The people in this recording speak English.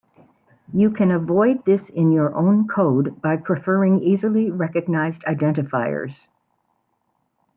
You can avoid this in your own code by preferring easily recognized identifiers.